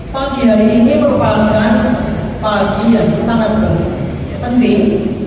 pagi hari ini merupakan pagi yang sangat penting